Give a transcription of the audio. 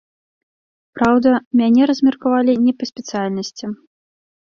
Праўда, мяне размеркавалі не па спецыяльнасці.